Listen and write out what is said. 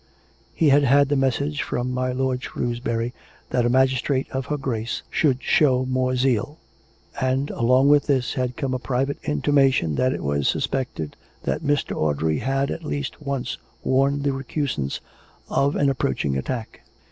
He had had the message from my lord Shrewsbury that a magistrate of her Grace should show more zeal; and, along with this, had come a private intimation that it was suspected that Mr. Audrey had at least once warned the recusants of an approaching attack.